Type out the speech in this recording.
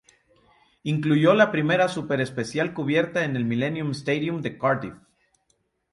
Incluyó la primera super especial cubierta en el Millennium Stadium de Cardiff.